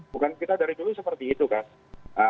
bukan kita dari dulu seperti itu kan